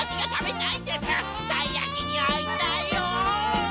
たいやきにあいたいよ！